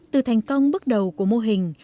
từ thành công bước đầu của mô hình